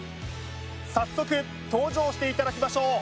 早速登場していただきましょう